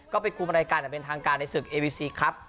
ก็ไปกลุ่มอะไรการเป็นทางการในศึกเอวีซีครับ